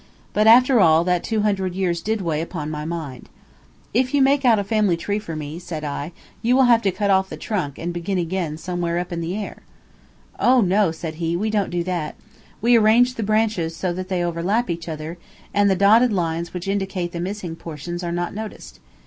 But, after all, that two hundred years did weigh upon my mind. "If you make a family tree for me," said I, "you will have to cut off the trunk and begin again somewhere up in the air." "Oh, no," said he, "we don't do that. We arrange the branches so that they overlap each other, and the dotted lines which indicate the missing portions are not noticed.